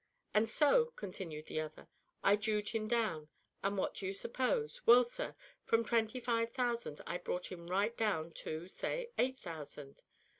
"And so," continued the other, "I jewed him down, and what do you suppose? Well, sir, from twenty five thousand I brought him right down to, say, eight thousand.